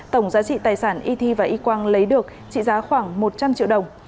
tổng giá trị tài sản y thi và y quang lấy được trị giá khoảng một trăm linh triệu đồng